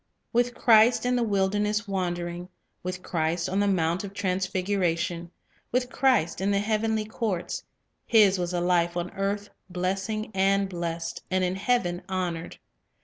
2 With Christ in the wilderness wandering, with Christ on the mount of transfiguration, with Christ in the heavenly courts, — his was a life on earth blessing and blessed, and in heaven honored.